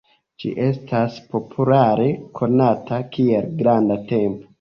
Ĝi estas populare konata kiel "granda templo".